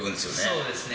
そうですよね。